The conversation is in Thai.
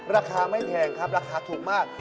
ราคาไม่แพงครับราคาถูกมาก